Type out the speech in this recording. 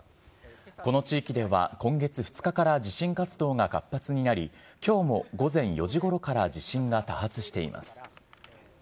この地域では、今月２日から地震活動が活発になり、きょうも午前４時ごろから地震が多発しています。